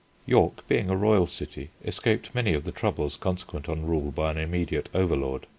York, being a royal city, escaped many of the troubles consequent on rule by an immediate overlord.